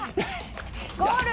ゴール！